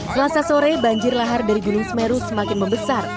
selasa sore banjir lahar dari gunung semeru semakin membesar